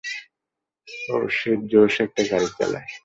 ওহ, সে জোস একটা গাড়ি চালায়।